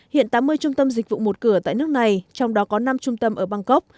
hiện tám mươi trung tâm dịch vụ một cửa tại nước này trong đó có năm trung tâm ở bangkok